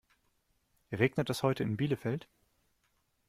Regnet es heute in Bielefeld?